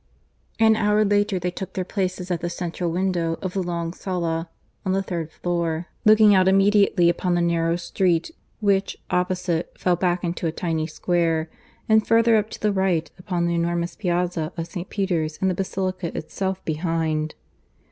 (II) An hour later they took their places at the central window of the long sala on the third floor, looking out immediately upon the narrow street, which, opposite, fell back into a tiny square, and further up to the right, upon the enormous piazza of St. Peter's and the basilica itself behind.